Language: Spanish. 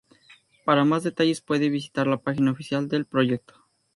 Para más detalles puede visitar la página oficial del proyecto.